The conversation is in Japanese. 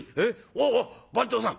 おお番頭さん」。